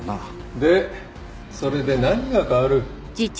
でそれで何が変わる？